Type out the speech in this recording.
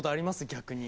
逆に。